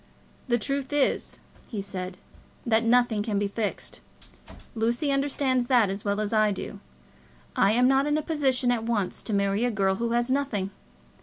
"The truth is," he said, "that nothing can be fixed. Lucy understands that as well as I do. I am not in a position at once to marry a girl who has nothing.